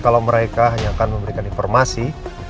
kalau mereka hanya akan memberikan informasi